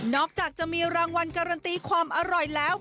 อกจากจะมีรางวัลการันตีความอร่อยแล้ว